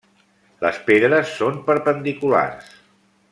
Les pedres són perpendiculars.